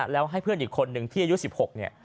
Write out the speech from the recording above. แล้วให้เพื่อนอีกคนนึงที่อายุ๑๖เนี่ย